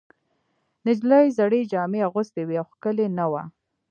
نجلۍ زړې جامې اغوستې وې او ښکلې نه وه.